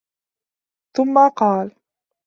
ثُمَّ قَالَ